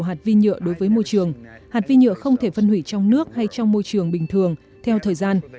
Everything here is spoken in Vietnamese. hạt vi nhựa không thể phân hủy trong nước hay trong môi trường bình thường theo thời gian